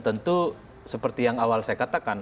tentu seperti yang awal saya katakan